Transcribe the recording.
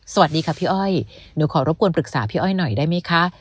สวัสดีค่ะพี่อ้อยหนูขอรบกวนปรึกษาพี่อ้อยหน่อยได้ไหมคะ